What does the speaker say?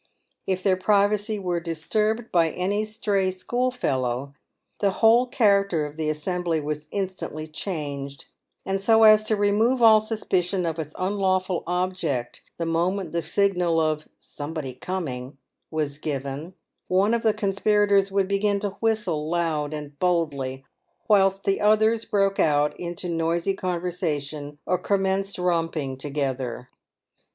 If their privacy were disturbed by any stray schoolfellow, the whole character of the assembly was in stantly changed ; and so as to remove all suspicion of its unlawful object, the moment the signal of " somebody coming " was given, one of the conspirators would begin to whistle loud and boldly, whilst the others broke out into noisy conversation, or commenced romping together.